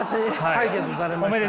解決されましたので。